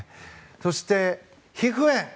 そして、皮膚炎。